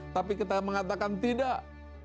tapi kita mengatakan tidak